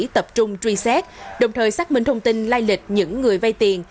tập trung truy xét đồng thời xác minh thông tin lai lịch những người vay tiền